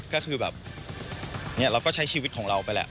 ก็คือแบบเราก็ใช้ชีวิตของเราไปแล้ว